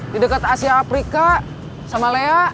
di dekat asia afrika sama lea